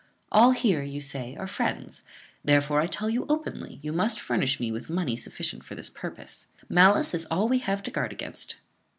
All here you say are friends; therefore I tell you openly, you must furnish me with money sufficient for this purpose. Malice is all we have to guard against."